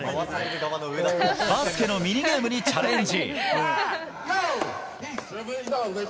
バスケのミニゲームにチャレンジ。